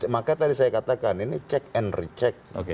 maka tadi saya katakan ini check and recheck